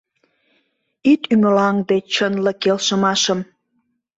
Ит ӱмылаҥде чынле келшымашым.